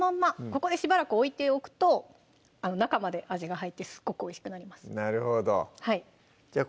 ここでしばらく置いておくと中まで味が入ってすっごくおいしくなりますじゃ